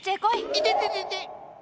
いてててて。